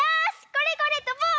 これこれ！とぼう！